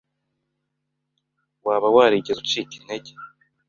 Waba warigeze ucika intege